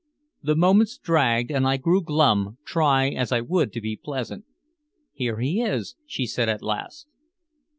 The moments dragged and I grew glum, try as I would to be pleasant. "Here he is," she said at last.